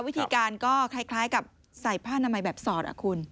วิธีการก็คล้ายกับใส่ผ้านามัยแบบสอดอ่ะคุณ